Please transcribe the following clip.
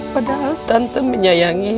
padahal tante menyayangi